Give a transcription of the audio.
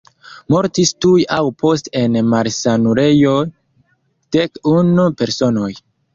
Mortis tuj aŭ poste en malsanulejoj dek-unu personoj.